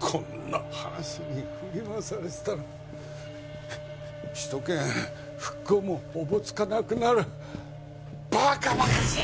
こんな話に振り回されてたら首都圏復興もおぼつかなくなるばかばかしい